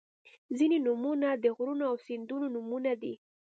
• ځینې نومونه د غرونو او سیندونو نومونه دي.